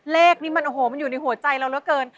เลขนี้มันอยู่ในหัวใจเราระเกิน